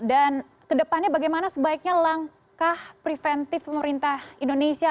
dan ke depannya bagaimana sebaiknya langkah preventif pemerintah indonesia